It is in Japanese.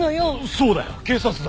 そうだよ警察だ。